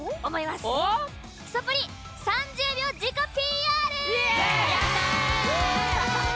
「すとぷり３０秒自己ＰＲ」！